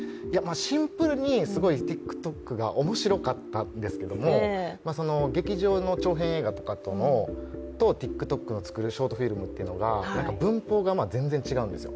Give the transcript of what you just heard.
シンプルに、すごくＴｉｋＴｏｋがおもしろかったんですけどもその劇場の長編映画とかとＴｉｋＴｏｋで作るショートフィルムは文法が全然違うんですよ。